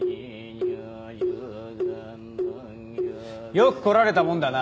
よく来られたもんだな。